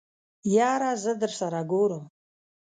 يره زه درسره ګورم.